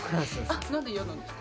何で嫌なんですか？